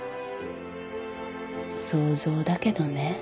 想像だけどね。